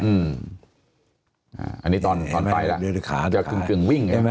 อันนี้ตอนตอนไปละ